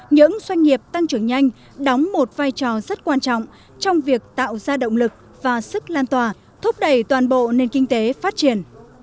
những doanh nghiệp tăng trưởng nhanh đóng một vai trò rất quan trọng trong việc tạo ra động lực và sức lan tỏa thúc đẩy toàn bộ nền kinh tế phát triển